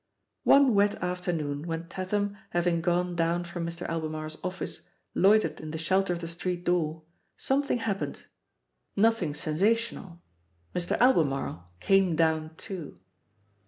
One wet afternoon, when Tatham, having gone down from Mr. Albemarle's office, loitered in the shelter of the street door, something hap pened. Nothing sensational — ^Mr. Albemarle came down too.